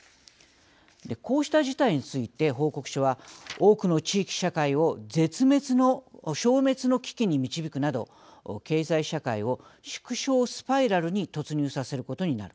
こうした事態について報告書は多くの地域社会を消滅の危機に導くなど経済社会を縮小スパイラルに突入させることになる。